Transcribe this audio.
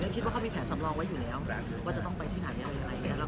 ก็คิดว่ามีแผนสำรองไว้อยู่แล้วว่าจะต้องไปที่ไหนอะไรอย่างไร